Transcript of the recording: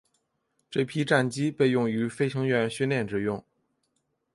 这批战机被用于飞行员训练之用。